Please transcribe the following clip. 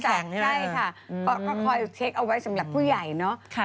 ใช่ค่ะก็คอยเช็คเอาไว้สำหรับผู้ใหญ่เนาะ